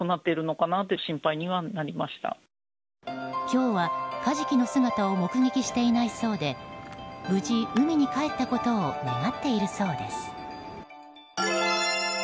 今日はカジキの姿を目撃していないそうで無事海に帰ったことを願っているそうです。